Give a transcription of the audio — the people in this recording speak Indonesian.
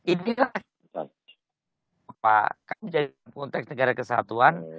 inilah yang menjadi konteks negara kesatuan